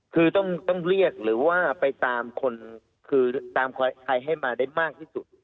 คือต้องเรียกหรือว่าไปตามคนคือตามใครให้มาได้มากที่สุด